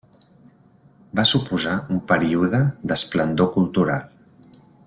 Va suposar un període d'esplendor cultural.